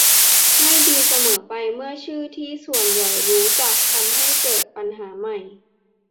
ไม่ดีเสมอไปเมื่อชื่อที่ส่วนใหญ่รู้จักทำให้เกิดปัญหาใหม่